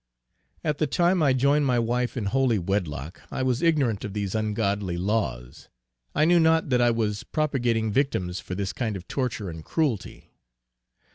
At the time I joined my wife in holy wedlock, I was ignorant of these ungodly laws; I knew not that I was propogating victims for this kind of torture and cruelty.